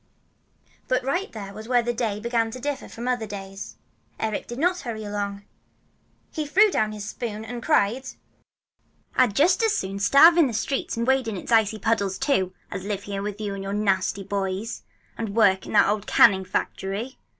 But right here is where the day began to differ from other days. Eric did not hurry along. He threw down his spoon and cried, "I'd just as soon starve in the streets, and wade in its icy puddles, too, as live here with you and your nasty boys and work in that old canning factory!